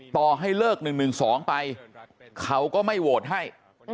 ต่อให้เลิก๑๑๒ไปเขาก็ไม่โหวตให้